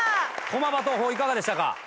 駒場東邦いかがでしたか？